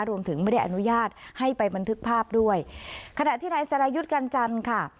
ไม่ได้อนุญาตให้ไปบันทึกภาพด้วยขณะที่นายสรายุทธ์กันจันทร์ค่ะ